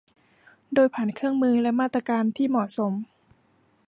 โดยผ่านเครื่องมือและมาตรการที่เหมาะสม